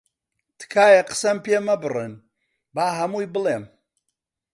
تکایە قسەم پێ مەبڕن، با هەمووی بڵێم.